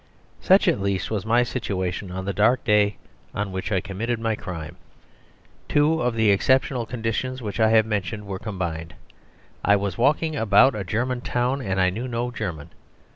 ..... Such at least was my situation on the dark day on which I committed my crime. Two of the exceptional conditions which I have mentioned were combined. I was walking about a German town, and I knew no German.